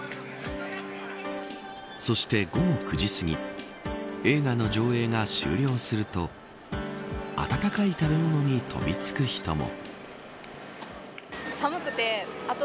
そして午後９時すぎ映画の上映が終了すると温かい食べ物に飛び付く人も。